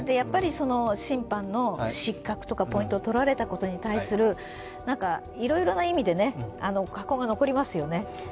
審判の失格とかポイントを取られたことに対するいろいろな意味で禍根が残りますよね。